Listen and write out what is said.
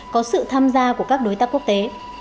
có sự tham gia của các đối tác quốc tế